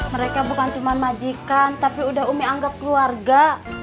mereka bukan cuma majikan tapi udah umi anggap keluarga